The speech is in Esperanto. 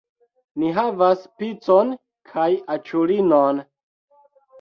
Ni havas picon kaj aĉulinon